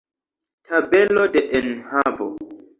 Tabelo de enhavo.